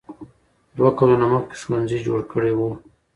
دوی کلونه مخکې ښوونځي جوړ کړي وو.